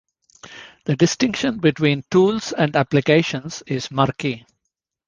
The distinction between tools and applications is murky.